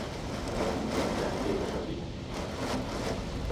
Munka után édes a pihenés.